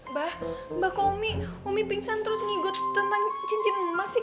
mbak mbak kok umi pingsan terus ngigut tentang cincin emas ini